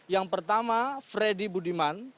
yang pertama freddy budiman